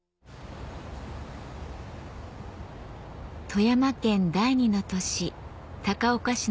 富山県第２の都市